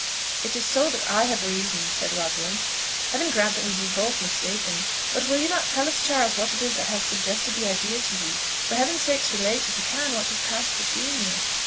"It is so that I have reasoned," said Rosalind. "Heaven grant that we be both mistaken! But will you not tell us, Charles, what it is that has suggested the idea to you? For Heaven's sake relate, if you can, what has passed between you?"